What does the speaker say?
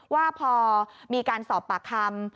ว่าพอมีการสอบปากคำ